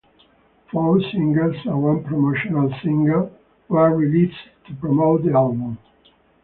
Four singles and one promotional single were released to promote the album.